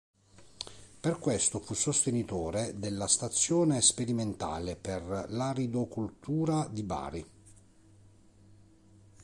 Per questo fu sostenitore della Stazione sperimentale per l'Aridocoltura di Bari.